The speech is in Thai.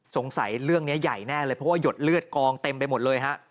สงสัยเรื่องนี้ใหญ่แน่เลยเพราะว่าหยดเลือดกองเต็มไปหมดเลยฮะ